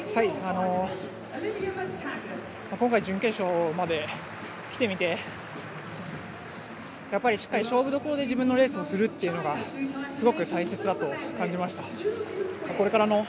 今回準決勝まで来てみて、やっぱりしっかり勝負どころで自分のレースをするというのがすごく大切だと感じました。